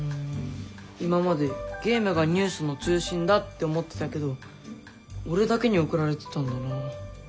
今までゲームがニュースの中心だって思ってたけど俺だけに送られてたんだな。